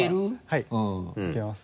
はいいけます。